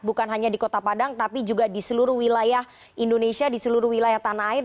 bukan hanya di kota padang tapi juga di seluruh wilayah indonesia di seluruh wilayah tanah air